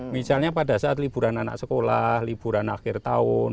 misalnya pada saat liburan anak sekolah liburan akhir tahun